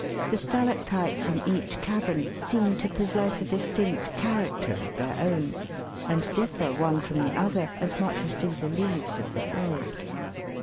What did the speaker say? The stalactites in each cavern seem to possess a distinct character of their own, and differ one from the other as much as do the leaves of the forest.